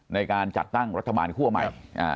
ในการจัดตั้งรัฐบาลคั่วใหม่